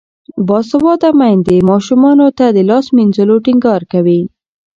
باسواده میندې ماشومانو ته د لاس مینځلو ټینګار کوي.